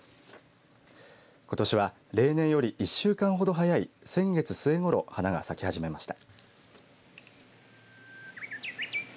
ことしは例年より１週間ほど早い先月末ごろ花が咲き始めました。